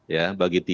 ya bagi tiga